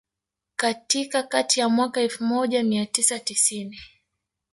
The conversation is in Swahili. Katika kati ya mwaka Elfu moja mia tisa tisini